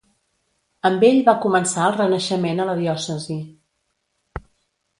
Amb ell va començar el Renaixement a la diòcesi.